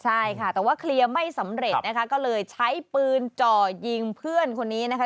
ใช่ค่ะแต่ว่าเคลียร์ไม่สำเร็จนะคะก็เลยใช้ปืนจ่อยิงเพื่อนคนนี้นะคะ